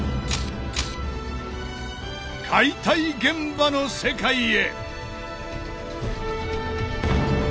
解体現場の世界へ！